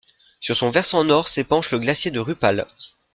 Sur son versant nord s'épanche le glacier de Rupal.